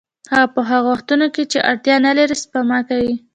هغه په هغو وختونو کې چې اړتیا نلري سپما کوي